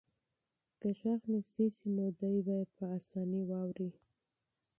که غږ نږدې شي نو دی به یې په اسانۍ واوري.